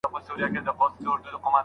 عراق کې تاوتریخوالی اوږدېږي.